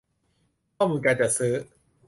ข้อมูลการจัดซื้อ